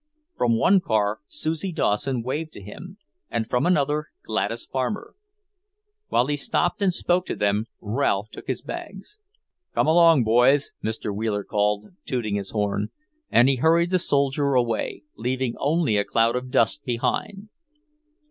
From one car Susie Dawson waved to him, and from another Gladys Farmer. While he stopped and spoke to them, Ralph took his bags. "Come along, boys," Mr. Wheeler called, tooting his horn, and he hurried the soldier away, leaving only a cloud of dust behind.